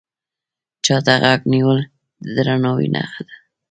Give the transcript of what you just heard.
چا ته غوږ نیول د درناوي نښه ده